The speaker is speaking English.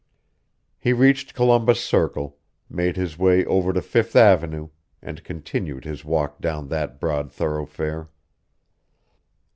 He reached Columbus Circle, made his way over to Fifth Avenue, and continued his walk down that broad thoroughfare.